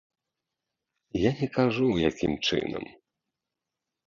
Я не кажу, якім чынам.